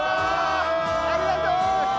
ありがとう！